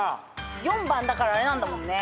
４番だからあれなんだもんね。